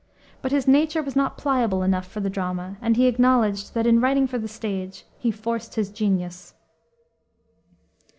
But his nature was not pliable enough for the drama, and he acknowledged that, in writing for the stage, he "forced his genius."